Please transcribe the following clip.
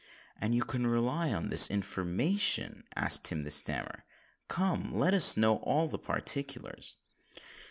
"And can you rely on this information?" asked Tim the Snammer. "Come—let us know all the particklers."